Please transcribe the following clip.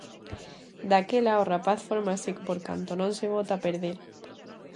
Daquela o rapaz fórmase por canto non se bota a perder.